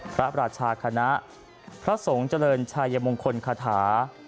พระราชาคณะพระสงฆ์เจริญชัยมงคลคาถา